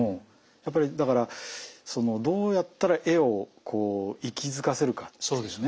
やっぱりだからそのどうやったら絵をこう息づかせるかっていうね